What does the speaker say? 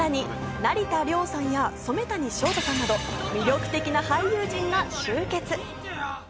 成田凌さんや染谷将太さんなど魅力的な俳優陣が集結。